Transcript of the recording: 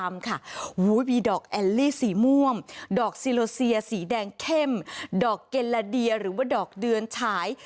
มีดอกแอลลี่สีม่วงดอกซิโลเซียสีแดงเข้มดอกเกลลาเดียหรือว่าดอกเดือนฉาย